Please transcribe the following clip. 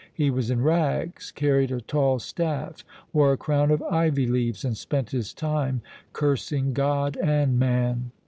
He was in rags, carried a tall staff, wore a crown of ivy leaves and spent his time cursing God and man.